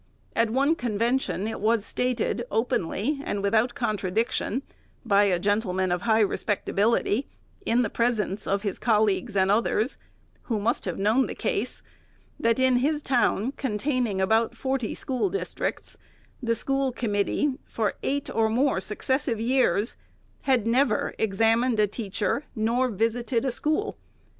At one convention it was stated, openly and without contradiction, by a gentleman of high respectability, in the presence of his colleagues and others, who must have known the case, that in his town, containing about forty school districts, the school com mittee, for eight or more successive years, had never ex amined a teacher, nor visited a school.